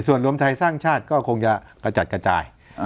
ส่วนรวมไทยสร้างชาติก็คงจะกระจัดกระจาย